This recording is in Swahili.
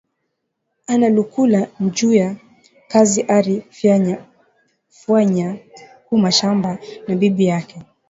Analukula njuya Kaji ari fwanya ku mashamba na bibi yake